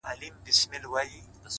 • څلور واړه یې یوه یوه ګوله کړه ,